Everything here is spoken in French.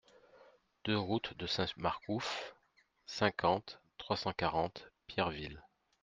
deux route de Saint-Marcouf, cinquante, trois cent quarante, Pierreville